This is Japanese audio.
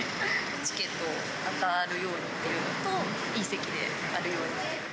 チケット当たるようにっていうのと、いい席であるように。